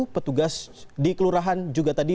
petugas di kelurahan juga tadi